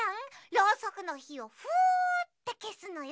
ろうそくのひをふってけすのよ。